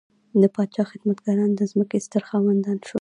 د پاچا خدمتګاران د ځمکو ستر خاوندان شول.